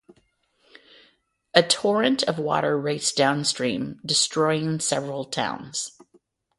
A torrent of water raced downstream, destroying several towns.